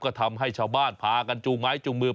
ก็ทำให้ชาวบ้านพากันจูงไม้จูงมือ